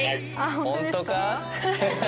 本当か？